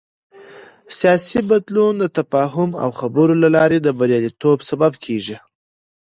سیاسي بدلون د تفاهم او خبرو له لارې د بریالیتوب سبب کېږي